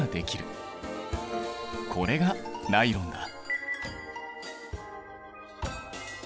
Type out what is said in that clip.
これがナイロンだ。